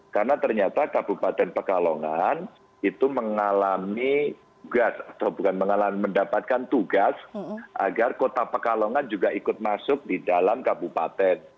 karena ternyata kabupaten pekalongan itu mengalami tugas atau bukan mengalami mendapatkan tugas agar kota pekalongan juga ikut masuk di dalam kabupaten